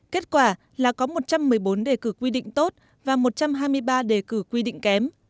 kết quả là có một trăm một mươi bốn đề cử quy định tốt và một trăm hai mươi ba đề cử quy định kém